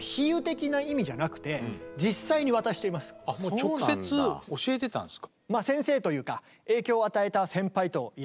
直接教えてたんすか。